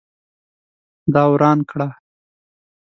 دا وران کړه